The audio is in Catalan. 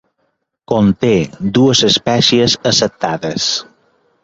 Conté dues espècies acceptades.